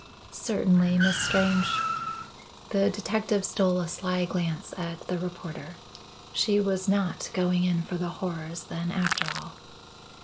"Certainly, Miss Strange." The detective stole a sly glance at the reporter. She was not going in for the horrors then after all.